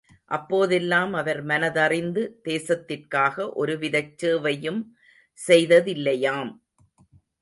அப்போதெல்லாம் அவர் மனதறிந்து தேசத்திற்காக ஒருவிதச் சேவையும் செய்ததில்லையாம்.